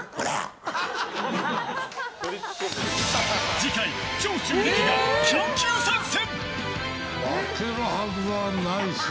次回、長州力が緊急参戦。